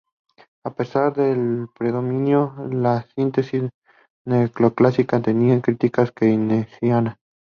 A pesar del predominio, la síntesis neoclásica tenía críticas keynesianas.